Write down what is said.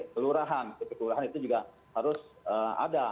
kelurahan pp kelurahan itu juga harus ada